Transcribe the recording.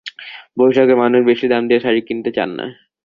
বৈশাখে মানুষ বেশি দাম দিয়ে শাড়ি কিনতে চান না।